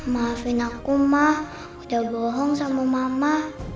maafin aku mah udah bohong sama mama